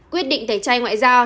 quyết định tẩy chay ngoại giao